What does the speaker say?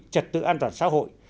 trật tự an toàn xã hội